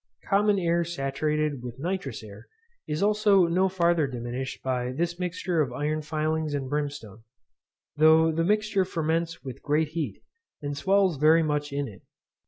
Common air saturated with nitrous air is also no farther diminished by this mixture of iron filings and brimstone, though the mixture ferments with great heat, and swells very much in it.